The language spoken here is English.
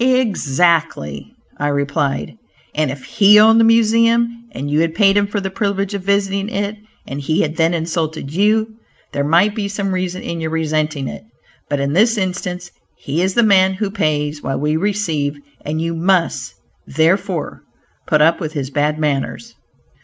"Exactly," I replied, "and if he owned the Museum, and you had paid him for the privilege of visiting it, and he had then insulted you, there might be some reason in your resenting it, but in this instance he is the man who pays, while we receive, and you must, therefore, put up with his bad manners."